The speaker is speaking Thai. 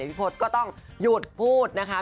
พี่พศก็ต้องหยุดพูดนะคะ